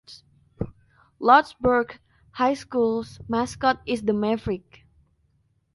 Lordsburg High School's mascot is the Maverick.